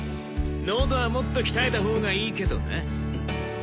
のどはもっと鍛えたほうがいいけどな！